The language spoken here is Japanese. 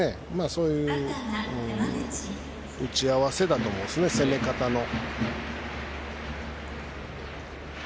そういう打ち合わせだと思います、攻め方の。